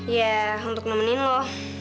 ya untuk nemenin lu